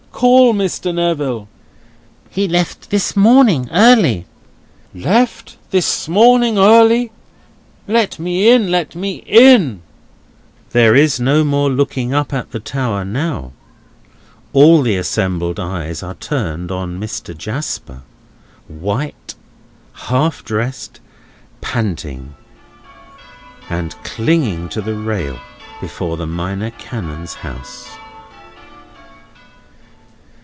Call Mr. Neville!" "He left this morning, early." "Left this morning early? Let me in! let me in!" There is no more looking up at the tower, now. All the assembled eyes are turned on Mr. Jasper, white, half dressed, panting, and clinging to the rail before the Minor Canon's house.